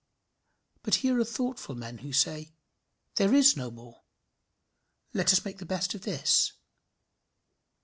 But here are thoughtful men, who say, "There is no more. Let us make the best of this."